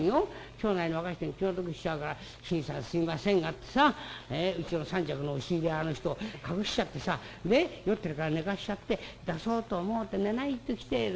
町内の若い人に気の毒しちゃうから『新さんすいませんが』ってさうちの三尺の押し入れにあの人を隠しちゃってさで酔ってるから寝かせちゃって出そうと思って寝ないときているんだ。